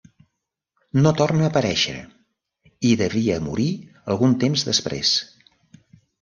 No torna a aparèixer i devia morir algun temps després.